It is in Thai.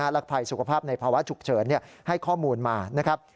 และภัยสุขภาพในภาวะฉุกเฉินให้ข้อมูลมานะครับ